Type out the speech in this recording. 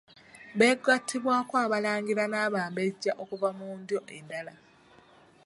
Beegattibwako abalangira n’abambejja okuva mu ndyo endala.